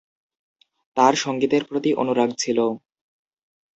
তার সংগীতের প্রতি অনুরাগ ছিল।